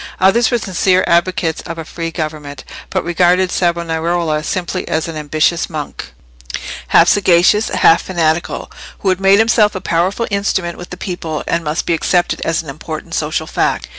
Others were sincere advocates of a free government, but regarded Savonarola simply as an ambitious monk—half sagacious, half fanatical—who had made himself a powerful instrument with the people, and must be accepted as an important social fact.